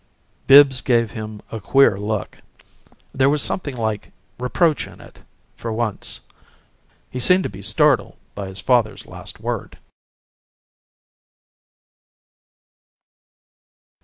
Bibbs gave him a queer look. There was something like reproach in it, for once; but there was more than that he seemed to be startled by his father's last word.